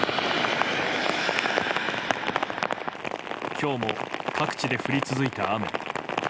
今日も各地で降り続いた雨。